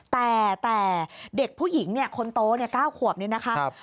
แต่เด็กผู้หญิงเนี่ยคนโต๙ขวบนี่นะคะ